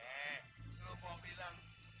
eh lu mau bilang